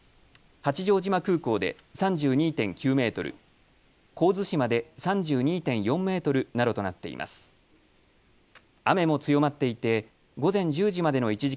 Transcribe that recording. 八丈島空港で３２．９メートル神津島で３２．４メートルなどとなっています。